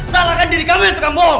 salahkan diri kamu itu kamu bohong